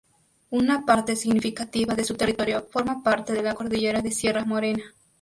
Una parte significativa de su territorio forma parte de la cordillera de Sierra Morena.